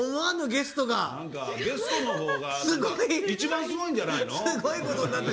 ゲストが一番すごいんじゃないの？